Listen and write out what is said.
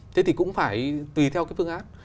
thế thì cũng phải tùy theo cái phương án